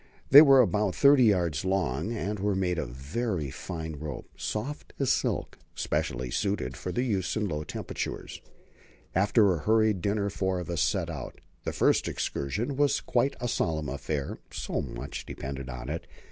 They were about 30 yards long, and were made of very fine rope, soft as silk, specially suited for use in low temperatures. After a hurried dinner four of us set out. This first excursion was quite a solemn affair; so much depended on it.